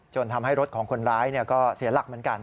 ทำให้รถของคนร้ายก็เสียหลักเหมือนกัน